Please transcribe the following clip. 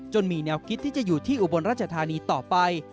มีแนวคิดที่จะอยู่ที่อุบลราชธานีต่อไป